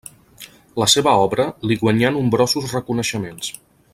La seva obra li guanyà nombrosos reconeixements.